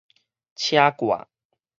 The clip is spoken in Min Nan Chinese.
車蓋